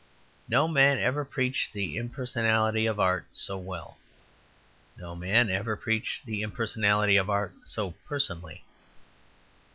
No man ever preached the impersonality of art so well; no man ever preached the impersonality of art so personally.